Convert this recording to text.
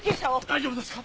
大丈夫ですか？